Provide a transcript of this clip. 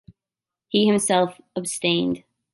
He himself abstained.